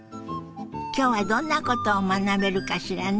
今日はどんなことを学べるかしらね。